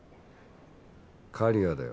刈谷だよ。